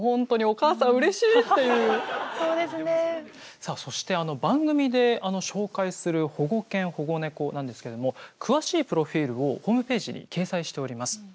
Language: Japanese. さあそしてあの番組で紹介する保護犬保護猫なんですけども詳しいプロフィールをホームページに掲載しております。